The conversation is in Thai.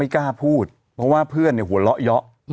กล้าพูดเพราะว่าเพื่อนหัวเราะเยอะ